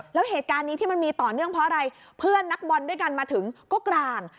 แล้วเหตุการณ์นี้ที่มันมีต่อเนื่องเพราะอะไรเพื่อนนักบอลด้วยกันมาถึงก็กลาง